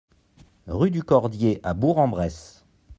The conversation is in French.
Rue du Cordier à Bourg-en-Bresse